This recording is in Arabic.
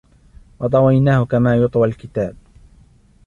و طويناه كما يطوى الكتاب